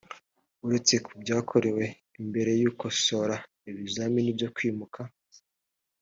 uretse ku byakorewe imbere y ukosora ibizamini byo kwimuka